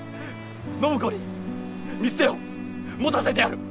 暢子に店を持たせてやる！